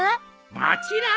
もちろん。